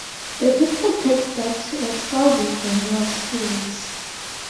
The people take steps to expel these dangerous spirits.